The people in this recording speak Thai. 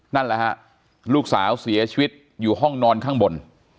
นั่นแหละฮะลูกสาวเสียชีวิตอยู่ห้องนอนข้างบน